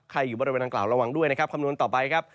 อยู่บริเวณดังกล่าวระวังด้วยนะครับคำนวณต่อไปครับ